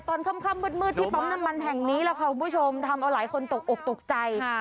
ตอนค่ำมืดที่ปั๊มน้ำมันแห่งนี้แหละค่ะคุณผู้ชมทำเอาหลายคนตกอกตกใจ